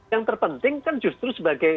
yang terpenting kan justru sebagai